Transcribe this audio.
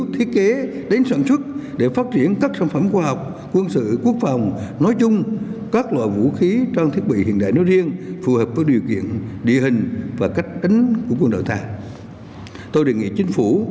tiếp tục thực hiện nhất quán chủ trương khoa học công nghệ là quốc sách hàng đầu